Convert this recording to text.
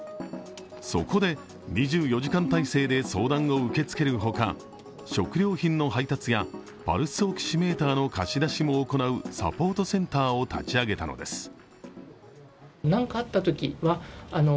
そこで２４時間体制で相談を受け付けるほか食料品の配達やパルスオキシメーターの貸し出しも行うサポートセンターを立ち上げたのです。